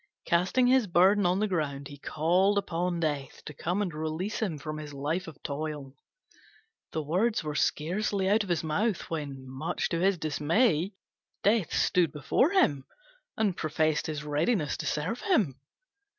Casting his burden on the ground, he called upon Death to come and release him from his life of toil. The words were scarcely out of his mouth when, much to his dismay, Death stood before him and professed his readiness to serve him.